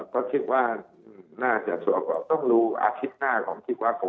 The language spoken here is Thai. ก็คิดว่าน่าจะสวยกว่าต้องรู้อาทิตย์หน้าของที่ว่า